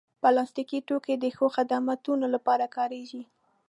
پلاستيکي توکي د ښو خدمتونو لپاره کارېږي.